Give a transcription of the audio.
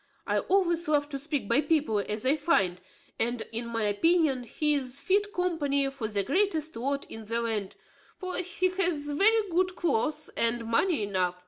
I always love to speak by people as I find; and, in my opinion, he is fit company for the greatest lord in the land; for he hath very good cloaths, and money enough.